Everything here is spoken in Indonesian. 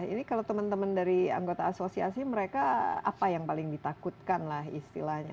ini kalau teman teman dari anggota asosiasi mereka apa yang paling ditakutkan lah istilahnya